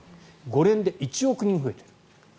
５年で１億人増えている。